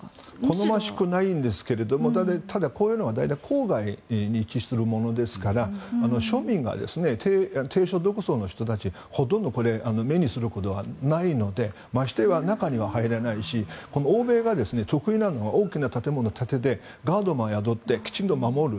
好ましくないんですがただ、こういうのは大体、郊外に位置するものですから庶民や低所得層の人たちはほとんどこれ、目にすることはないのでましてや中には入れないし欧米が得意なのは大きな建物を建ててガードマンを雇ってきちんと守る。